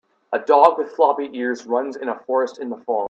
A dog with floppy ears runs in a forest in the fall.